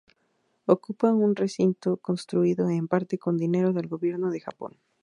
Ocupa un recinto construido en parte con dinero del gobierno de Japón.